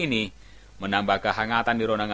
bila aku sangat murung